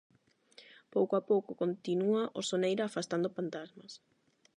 Pouco a pouco continúa o Soneira afastando pantasmas.